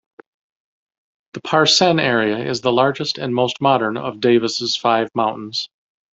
The Parsenn area is the largest and most modern of Davos' five mountains.